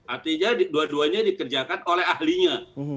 artinya dua duanya dikerjakan oleh ahlinya